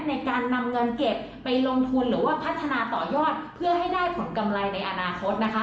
ในการนำเงินเก็บไปลงทุนหรือว่าพัฒนาต่อยอดเพื่อให้ได้ผลกำไรในอนาคตนะคะ